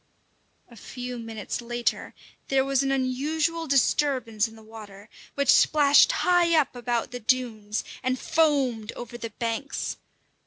A few minutes later there was an unusual disturbance in the water, which splashed high up about the dunes and foamed over the banks.